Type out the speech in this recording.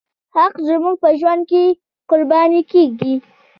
حق زموږ په ژوند کې قرباني کېږي.